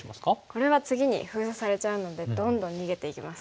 これは次に封鎖されちゃうのでどんどん逃げていきます。